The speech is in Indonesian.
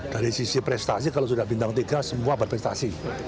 dari sisi prestasi kalau sudah bintang tiga semua berprestasi